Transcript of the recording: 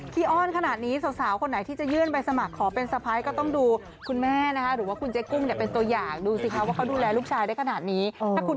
ที่เราอยากให้มันยุ่มหัวยุ่มหัวยุ่มหัวยุ่มแล้วจะเป็นกันเลย